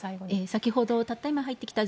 先ほどたった